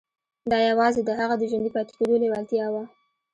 دا یوازې د هغه د ژوندي پاتې کېدو لېوالتیا وه